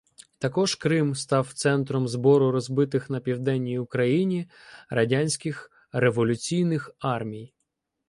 Також Крим став центром збору розбитих на Південній Україні радянських «революційних» армій.